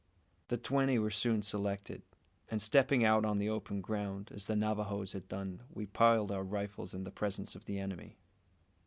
The twenty were soon selected; and, stepping out on the open ground, as the Navajoes had done, we piled our rifles in the presence of the enemy.